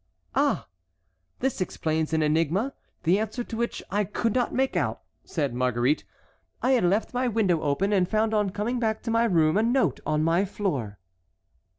"Ah! this explains an enigma, the answer to which I could not make out," said Marguerite. "I had left my window open, and found, on coming back to my room, a note on my floor."